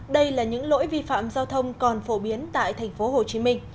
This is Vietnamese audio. đây là những lỗi vi phạm giao thông còn phổ biến tại tp hcm